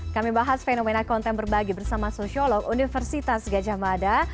kami bahas fenomena konten berbagi bersama sosiolog universitas gajah mada